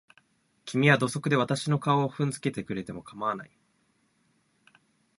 君は土足で私の顔を踏んづけてくれても構わない。